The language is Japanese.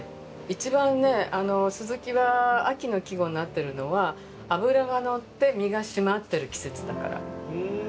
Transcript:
一番ね「鱸」は秋の季語になってるのは脂が乗って身が締まってる季節だから。